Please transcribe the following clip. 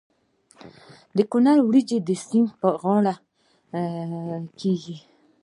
د کونړ وریجې د سیند په غاړه کیږي.